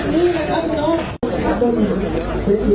นางจากนี้นะครับคุณห้อง